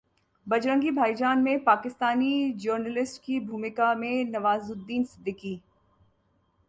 'बजरंगी भाईजान' में पाकिस्तानी जर्नलिस्ट की भूमिका में नवाजुद्दीन सिद्दीकी